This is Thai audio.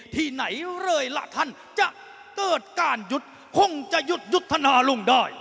ที่ไหนเลยล่ะท่านจะเกิดการหยุดคงจะหยุดยุทธนาลงได้